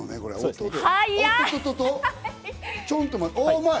うまい。